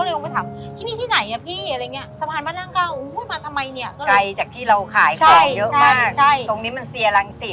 ทำไมเนี่ยไกลจากที่เราขายของเยอะมากใช่ใช่ใช่ตรงนี้มันเสียรังสิทธิ์